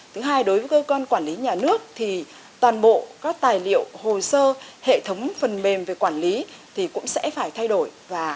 thứ hai đối với cơ quan quản lý nhà nước thì toàn bộ các tài liệu hồ sơ hệ thống phần mềm về quản lý thì cũng sẽ phải thay đổi